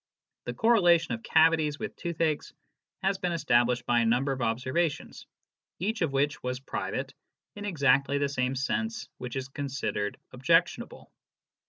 The correlation of cavities with toothaches has been established by a number of observations, each of which was private, in exactly the sense which is considered objection able.